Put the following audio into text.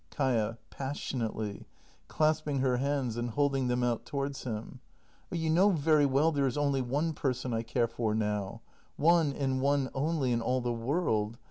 Kaia. [Passionately, clasping her hands and holding them out towards him.] Oh, you know very well there is only one person I care for now! One, and one only, in all the world!